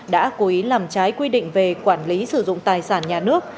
đã cố ý làm trái quy định về quản lý sử dụng tài sản nhà nước